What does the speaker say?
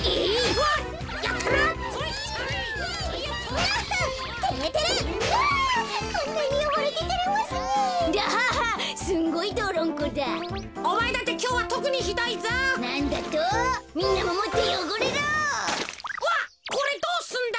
わっこれどうすんだ？